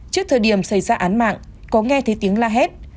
trước thời điểm xảy ra án mạng có nghe thấy tiếng la hét